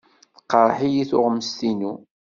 Teqreḥ-iyi tuɣmest-inu.